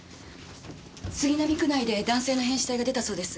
杉並区内で男性の変死体が出たそうです。